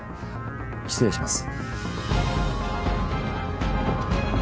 失礼します。